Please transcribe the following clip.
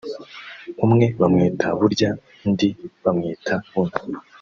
umwe bamwita Burya indi bamwita Buno